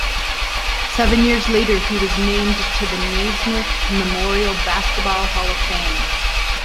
Seven years later he was named to the Naismith Memorial Basketball Hall of Fame.